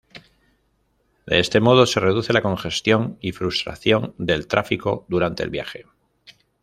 De este modo, se reduce la congestión y frustración del tráfico durante el viaje.